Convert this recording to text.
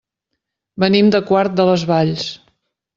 Venim de Quart de les Valls.